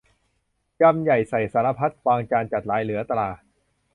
ยำใหญ่ใส่สารพัด วางจานจัดหลายเหลือตรา